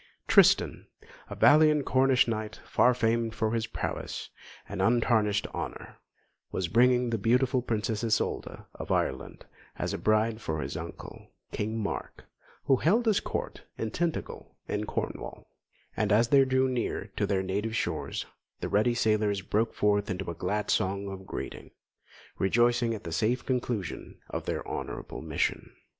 Tristan, a valiant Cornish knight, far famed for his prowess and untarnished honour, was bringing the beautiful Princess Isolda of Ireland as a bride for his uncle, King Mark, who held his Court at Tyntagel, in Cornwall; and as they drew near to their native shores, the ruddy sailors broke forth into a glad song of greeting, rejoicing at the safe conclusion of their honourable mission.